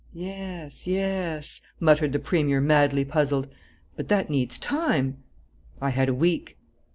"Yes, yes," muttered the Premier, madly puzzled, "but that needs time." "I had a week."